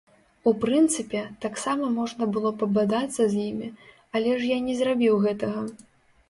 У прынцыпе, таксама можна было пабадацца з імі, але ж я не зрабіў гэтага.